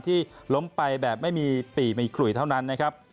ที่ล้มไปแบบไม่มีปี่มีขลุยเท่านั้นนะครับ